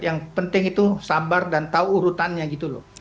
yang penting itu sabar dan tahu urutannya gitu loh